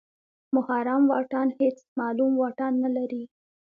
محرم واټن هېڅ معلوم واټن نلري.